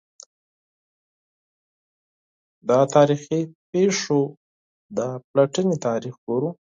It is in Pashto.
د تا ریخي پېښو د پلټني تاریخ ګورو.